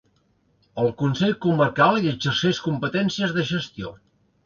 El Consell Comarcal hi exerceix competències de gestió.